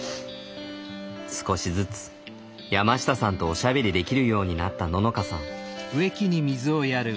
少しずつ山下さんとおしゃべりできるようになったののかさん。